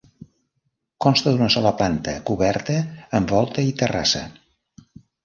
Consta d'una sola planta coberta amb volta i terrassa.